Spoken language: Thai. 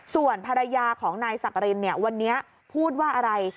ส่วนภรรยาของนายสักรินเนี่ยวันนี้พูดว่าอะไร